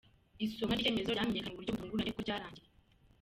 Isomwa ry’icyemezo ryamenyekanye mu buryo butunguranye ko ryarangiye.